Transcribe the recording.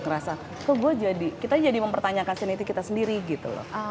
kerasa kok gue jadi kita jadi mempertanyakan sini itu kita sendiri gitu loh